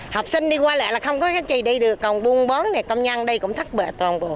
học sinh đi qua lại là không có cái chì đi được còn buôn bón này công nhân đây cũng thất bệ toàn bộ